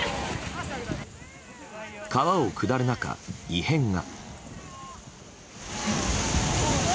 川を下る中、異変が。